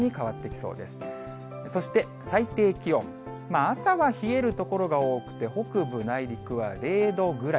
そして最低気温、朝は冷える所が多くて、北部内陸は０度ぐらい。